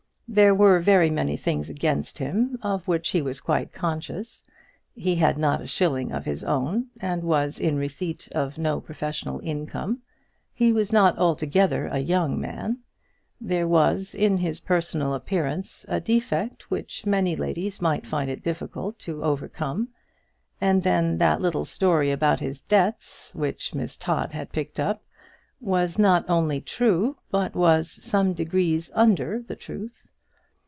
There were very many things against him, of which he was quite conscious. He had not a shilling of his own, and was in receipt of no professional income. He was not altogether a young man. There was in his personal appearance a defect which many ladies might find it difficult to overcome; and then that little story about his debts, which Miss Todd had picked up, was not only true, but was some degrees under the truth.